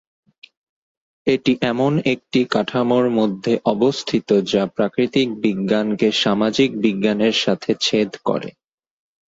এটি এমন একটি কাঠামোর মধ্যে অবস্থিত যা প্রাকৃতিক বিজ্ঞানকে সামাজিক বিজ্ঞানের সাথে ছেদ করে।